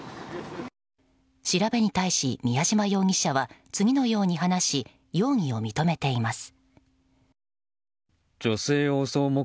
調べに対し、宮嶋容疑者は次のように話し容疑を認めています。